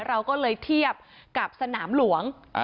เราก็เลยเทียบกับสนามหลวง